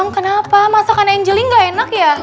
emang kenapa masakan anggeli ga enak ya